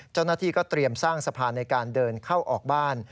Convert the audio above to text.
เจ้าหน้าที่ก็เตรียมสร้างสะพานในการเดินเข้าออกบ้าน